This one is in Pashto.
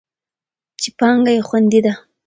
چې پانګه یې خوندي ده.